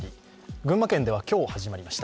群馬県では今日始まりました。